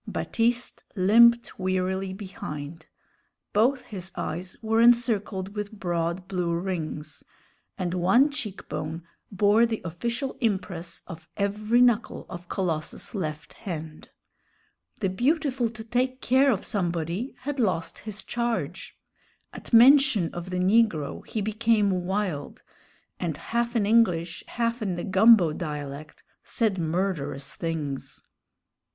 Baptiste limped wearily behind; both his eyes were encircled with broad blue rings, and one cheek bone bore the official impress of every knuckle of Colossus's left hand. The "beautiful to take care of somebody" had lost his charge. At mention of the negro he became wild, and half in English, half in the "gumbo" dialect, said murderous things.